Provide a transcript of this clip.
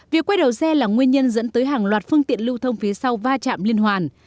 việc quay đầu xe là nguyên nhân dẫn tới hàng loạt phương tiện lưu thông phía sau va chạm liên hoàn